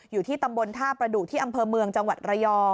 อยู่ที่ตำบลท่าประดูกที่อำเภอเมืองจรย